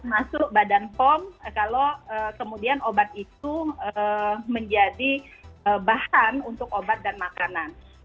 masuk badan pom kalau kemudian obat itu menjadi bahan untuk obat dan makanan